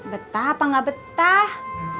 betah apa gak betah